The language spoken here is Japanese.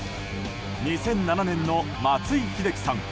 ２００７年の松井秀喜さん